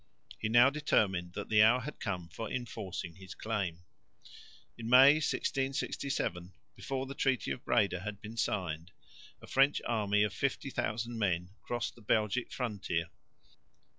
He now determined that the hour had come for enforcing his claim. In May, 1667, before the treaty of Breda had been signed, a French army of 50,000 men crossed the Belgic frontier.